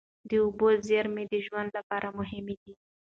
د اوبو زېرمې د ژوند لپاره مهمې دي.